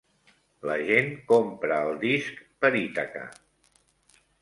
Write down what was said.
La gent compra el disc per Ítaca.